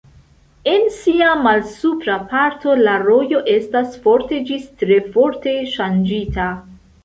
En sia malsupra parto la rojo estas forte ĝis tre forte ŝanĝita.